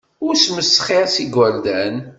Ur smesxir s yigerdan.